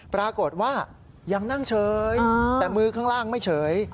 ปรากฏว่ายังนั่งเฉยแต่มือข้างล่างไม่เฉย